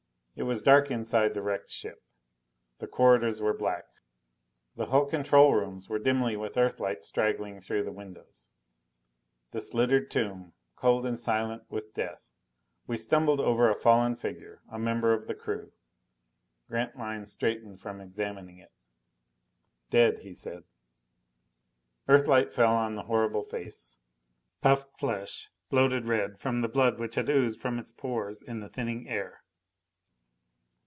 It was dark inside the wrecked ship. The corridors were black. The hull control rooms were dimly with Earthlight straggling through the windows. This littered tomb. Cold and silent with death. We stumbled over a fallen figure. A member of the crew. Grantline straightened from examining it. "Dead," he said. Earthlight fell on the horrible face. Puffed flesh, bloated red from the blood which had oozed from its pores in the thinning air.